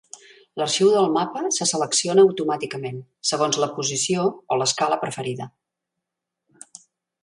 L'arxiu del mapa se selecciona automàticament segons la posició o l'escala preferida.